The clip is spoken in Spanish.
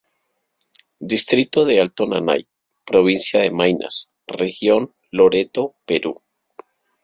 Distrito de Alto Nanay, provincia de Maynas, región Loreto, Perú.